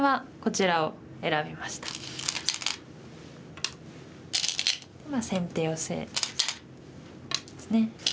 まあ先手ヨセですね。